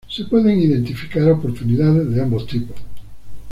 Se pueden identificar oportunidades de ambos tipos.